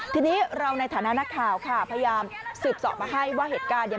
ทีนี้เราในฐานะนักข่าวค่ะพยายามสืบสอบมาให้ว่าเหตุการณ์เนี่ย